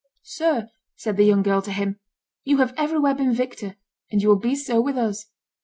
"Sir," said the young girl to him, "you have everywhere been victor, and you will be so with us."